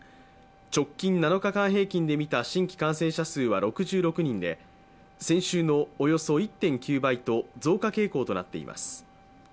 直近７日間平均でみた新規感染者数は６６人で、先週のおよそ１．９倍と増加傾向となっています。